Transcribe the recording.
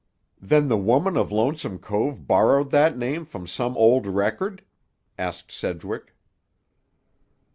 "Then the woman of Lonesome Cove borrowed that name from some old record?" asked Sedgwick.